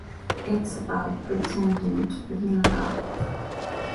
It’s about pretending to be in love.